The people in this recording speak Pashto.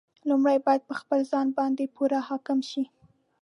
لومړی باید پر خپل ځان باندې پوره حاکم شي.